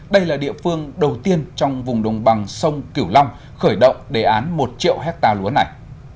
đây là địa phương đầu tiên trong vùng đồng bằng sông cửu long khởi động đề án một triệu hectare lúa này